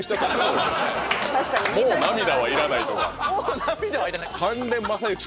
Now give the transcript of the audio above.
「もう涙はいらない」とか。